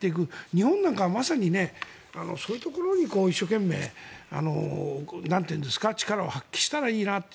日本なんか、まさにそういうところに一生懸命力を発揮したらいいなって。